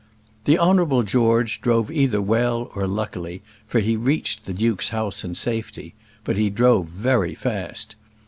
The Honourable George drove either well or luckily, for he reached the duke's house in safety; but he drove very fast.